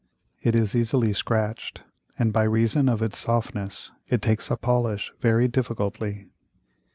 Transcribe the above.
It is easily scratch'd, and by reason of its softness it takes a Polish very difficultly.